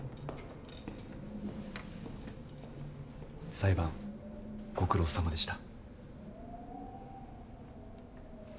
裁判ご苦労さまでした。